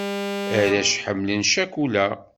Arrac ḥemmlen ccakula.